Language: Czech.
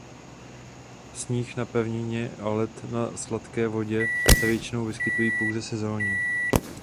Sníh na pevnině a led na sladké vodě se většinou vyskytují pouze sezónně.